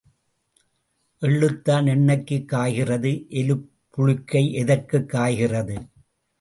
எள்ளுத்தான் எண்ணெய்க்குக் காய்கிறது எலிப் புழுக்கை எதற்குக் காய்கிறது?